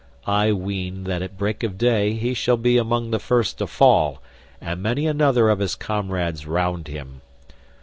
I ween that at break of day, he shall be among the first to fall and many another of his comrades round him.